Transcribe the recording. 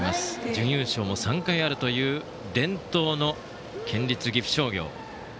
準優勝も３回あるという伝統の県立岐阜商業。